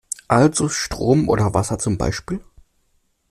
Also Strom oder Wasser zum Beispiel?